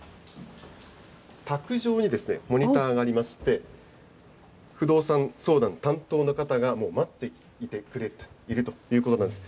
卓上にモニターがありまして、不動産相談担当の方がもう待っていてくれているということなんです。